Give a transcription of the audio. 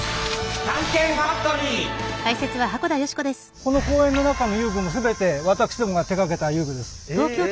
この公園の中の遊具も全て私どもが手がけた遊具です。